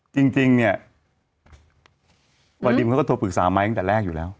จริงเนี่ยประดิมเขาก็โทรปรึกษาไม้ตั้งแต่แรกอยู่แล้ว